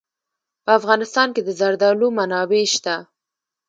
په افغانستان کې د زردالو منابع شته.